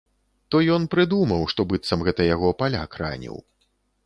То ён прыдумаў, што быццам гэта яго паляк раніў.